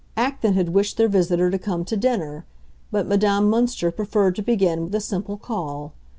Acton had wished their visitor to come to dinner; but Madame Münster preferred to begin with a simple call.